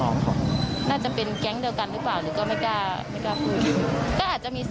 ต้องรอกเขาจับได้เดี๋ยวก็ดูเขาสารภาพมา